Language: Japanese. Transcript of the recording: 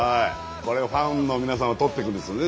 これファンの皆さんが通っていくんですよね